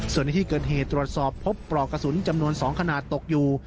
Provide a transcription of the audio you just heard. ส่วนในที่เกิดเหตุตรวจสอบพบปลอกกระสุนจำนวน๒ขนาดตกอยู่